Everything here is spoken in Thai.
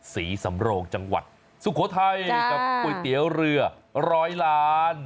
ศรีสำโรงจังหวัดสุโขทัยกับก๋วยเตี๋ยวเรือร้อยล้าน